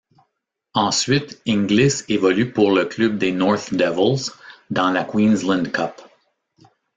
Ensuite, Inglis évolue pour le club des North Devils, dans la Queensland Cup.